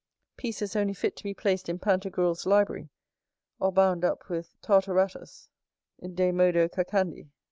Pieces only fit to be placed in Pantagruel's library, or bound up with Tartaratus, De Modo Cacandi.